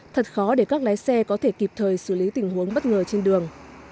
thật khó để các lái xe có thể kịp thời xử lý tình huống bất ngờ trên đường